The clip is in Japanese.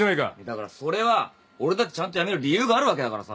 だからそれは俺だってちゃんと辞める理由があるわけだからさ。